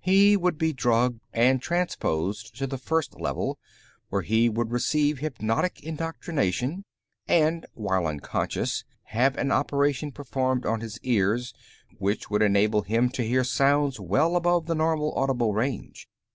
He would be drugged and transposed to the First Level, where he would receive hypnotic indoctrination and, while unconscious, have an operation performed on his ears which would enable him to hear sounds well above the normal audible range.